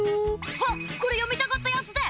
あっこれ読みたかったやつです！